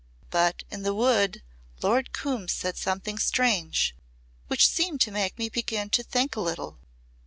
But in the Wood Lord Coombe said something strange which seemed to make me begin to think a little.